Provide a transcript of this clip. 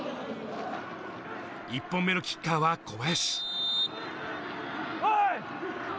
１本目のキッカーは小林。